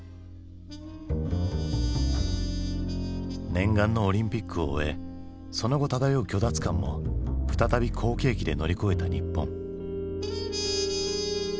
念願のオリンピックを終えその後漂う虚脱感も再び好景気で乗り越えた日本。